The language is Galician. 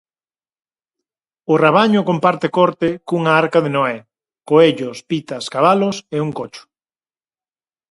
O rabaño comparte corte cunha arca de Noé: coellos, pitas, cabalos e un cocho.